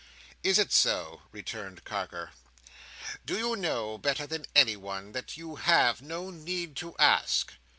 "Is it so?" returned Carker. "Do you know better than anyone, that you have no need to ask?"